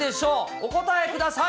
お答えください。